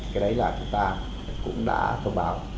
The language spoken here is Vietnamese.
cái đấy là chúng ta cũng đã thông báo